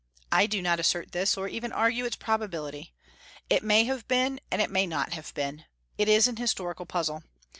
I do not assert this, or even argue its probability. It may have been, and it may not have been. It is an historical puzzle.